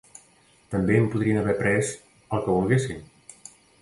També em podrien haver pres el que volguessin.